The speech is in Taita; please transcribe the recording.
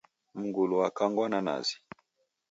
Mngulu wakangwa na nazi